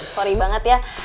sorry banget yah